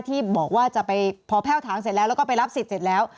ที่บอกว่าจะไปพอแพ่วถางเสร็จแล้วแล้วก็ไปรับสิทธิ์เสร็จแล้ว